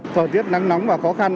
thời tiết nắng nóng và khó khăn